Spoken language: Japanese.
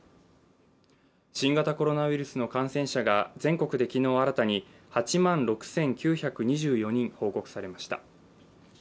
新型コロナウイルスの感染者が全国で昨日新たに８万６９２４人報告されました。